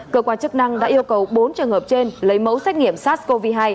cơ quan chức năng đã yêu cầu bốn trường hợp trên lấy mẫu xét nghiệm sars cov hai